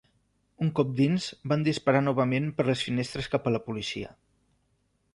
Un cop a dins van disparar novament per les finestres cap a la policia.